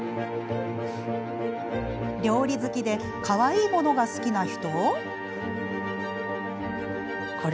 料理好きでかわいいものが好きな人？